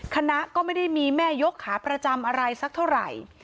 คณะก็ไม่ได้มีแม่ยกขาประจำอะไรสักเท่าไหร่